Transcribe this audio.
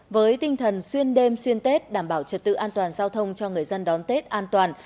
với tinh thần xuyên đêm xuyên tết đảm bảo trật tự an toàn giao thông cho người dân đón tết an toàn